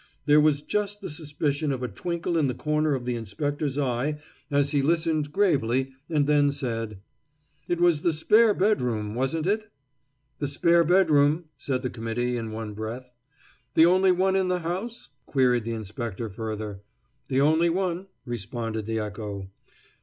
There was just the suspicion of a twinkle in the corner of the inspector's eye as he listened gravely and then said: "It was the spare bedroom, wasn't it?" "The spare bedroom," said the committee, in one breath. "The only one in the house?" queried the inspector, further. "The only one," responded the echo.